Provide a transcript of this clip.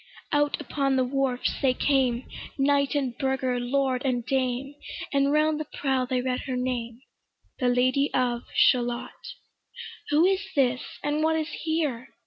Out upon the wharfs they came, Knight and burgher, lord and dame, And round the prow they read her name, 'The Lady of Shalott' Who is this? and what is here?